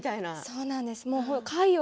そうなんです回を